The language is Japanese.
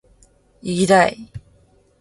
いぎだい！！！！